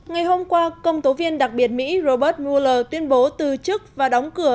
ngày hôm qua công tố viên đặc biệt mỹ robert mueller tuyên bố từ chức và đóng cửa